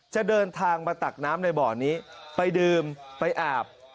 จะเดินทางมาตักน้ำในบ่อนี้ไปดื่มไปอาบ